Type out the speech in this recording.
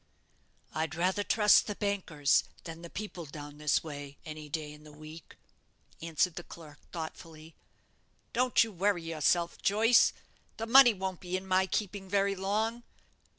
"I'd rather trust the bankers than the people down this way, any day in the week," answered the clerk, thoughtfully. "Don't you worry yourself, Joyce! The money won't be in my keeping very long.